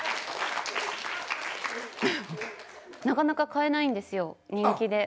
なかなか買えないんですよ人気で。